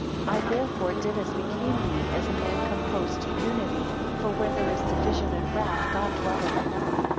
16 I therefore did as became me, as a man composed to unity for where there is division, and wrath, God dwelleth not.